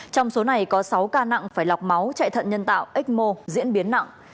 trong số này có sáu ca nặng phải lọc máu chạy thận nhân tạo ecmo diễn biến nặng